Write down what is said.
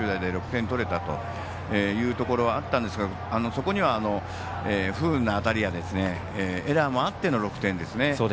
専大松戸の平野君を攻略して集中打で６点取れたというのもあったんですがそこには不運な当たりやエラーもあっての６点ですね。